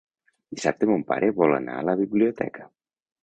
Dissabte mon pare vol anar a la biblioteca.